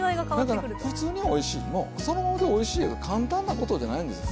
だからふつうにおいしいものをそのままでおいしいいう簡単なことじゃないんです。